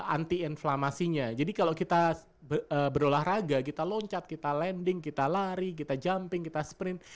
anti inflamasinya jadi kalau kita berolahraga kita loncat kita landing kita lari kita jumping kita sprint